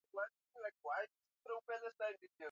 Mstari huwa ni mpaka wa uwanja